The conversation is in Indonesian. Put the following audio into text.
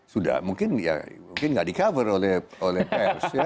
sudah mungkin ya mungkin nggak di cover oleh pers ya